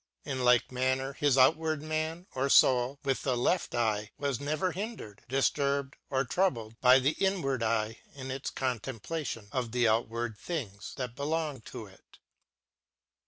In like manner his out ward man, or foul with the left eye, was never hindered, difturbed or trou bled by the inward eye in its contem plation of the outward things that belonged to it.